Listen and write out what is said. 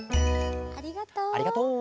ありがとう！